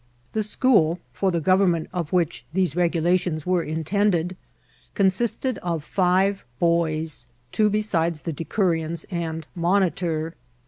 The school, for the govern ment of which these regulations were intended, consist ed of five boys, two besides the decurions and monitcnr.